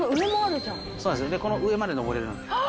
この上まで上れるんで。